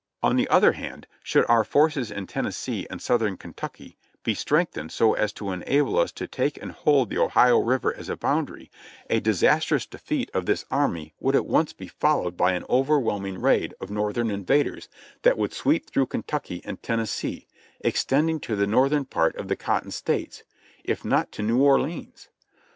On the other hand, should our forces in Tennessee and south ern Kentucky be strengthened so as to enable us to take and hold the Ohio River as a boundary, a disastrous defeat of this army CAMP NO camp'' yy would at once be followed by an overwhelming raid of Northern invaders that would sweep through Kentucky and Tennessee, ex tending to the northern part of the Cotton States, if not to New Orleans.